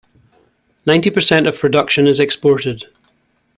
Ninety percent of production is exported.